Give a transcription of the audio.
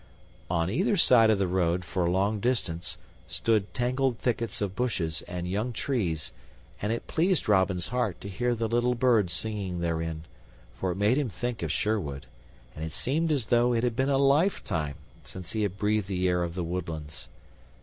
On either side of the road, for a long distance, stood tangled thickets of bushes and young trees, and it pleased Robin's heart to hear the little birds singing therein, for it made him think of Sherwood, and it seemed as though it had been a lifetime since he had breathed the air of the woodlands.